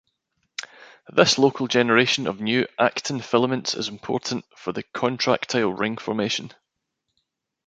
This local generation of new actin filaments is important for the contractile ring formation.